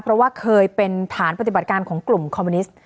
เพราะว่าเคยเป็นฐานปฏิบัติการของกลุ่มคอมมิวนิสต์